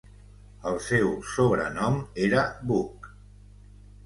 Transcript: El seu sobrenom era "Book".